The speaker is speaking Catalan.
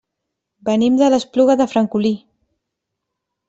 Venim de l'Espluga de Francolí.